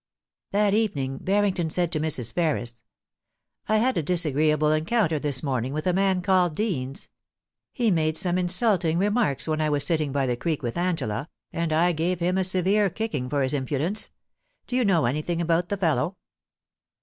That evening Barrington said to Mrs. Ferris :* I had a dis agreeable encounter this morning with a man called Deans. He made some insulting remarks when I was sitting by the 214 POLICY AND PASSION. creek with Angela, and I gave him a severe kicking for his impudence. Do you know anything about the fellow